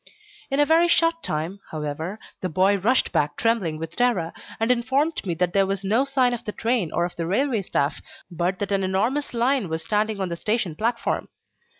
In a very short time, however, the "boy" rushed back trembling with terror, and informed me that there was no sign of the train or of the railway staff, but that an enormous lion was standing on the station platform.